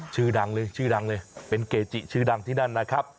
ชื่อดังเลยชื่อดังเลยเป็นเกจิชื่อดังที่นั่นนะครับ